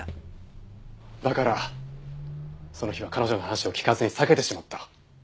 だからその日は彼女の話を聞かずに避けてしまった。